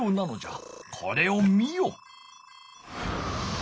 これを見よ。